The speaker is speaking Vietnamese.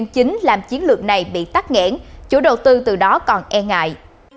chính làm chiến lược này bị tắt nghẽn chủ đầu tư từ đó còn e ngại